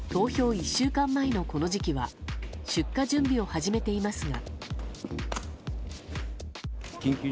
１週間前のこの時期は出荷準備を始めていますが。